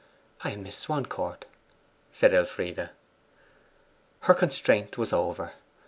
'I am Miss Swancourt,' said Elfride. Her constraint was over.